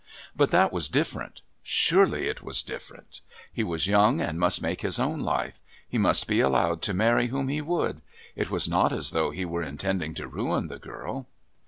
But that was different. Surely it was different. He was young and must make his own life. He must be allowed to marry whom he would. It was not as though he were intending to ruin the girl....